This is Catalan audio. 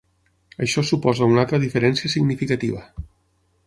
Això suposa una altra diferència significativa.